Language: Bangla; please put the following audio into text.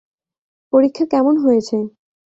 পরীক্ষা কেমন হয়েছে?